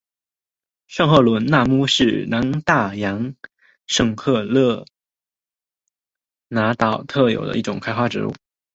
圣赫伦那乌木是南大西洋圣赫勒拿岛特有的一种开花植物。